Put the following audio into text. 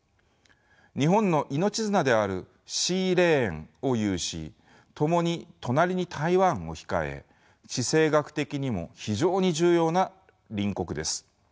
日本の命綱であるシーレーンを有しともに隣に台湾を控え地政学的にも非常に重要な隣国です。